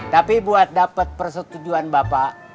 tapi buat dapat persetujuan bapak